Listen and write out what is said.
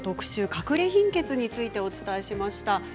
かくれ貧血についてお伝えしました。